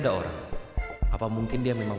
ada orang apa mungkin dia memang